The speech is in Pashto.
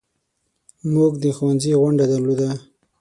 موږ د ښوونځي غونډه درلوده.